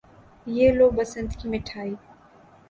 یہ لو، بسنت کی مٹھائی۔